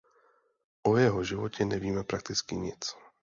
O jeho životě nevíme prakticky nic.